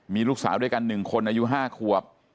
มีลูกสาวด้วยกัน๑คนอายุ๕ขวบ